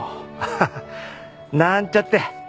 ハハなんちゃって。